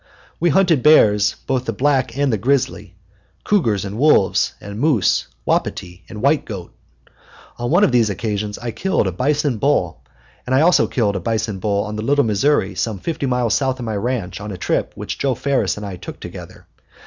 We hunted bears, both the black and the grizzly, cougars and wolves, and moose, wapiti, and white goat. On one of these trips I killed a bison bull, and I also killed a bison bull on the Little Missouri some fifty miles south of my ranch on a trip which Joe Ferris and I took together.